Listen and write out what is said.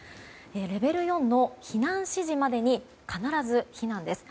レベル４の避難指示までに必ず避難です。